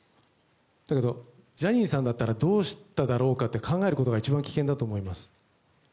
ジャニーさんだったらどうしただろうかと考えることが一番危険だと思います。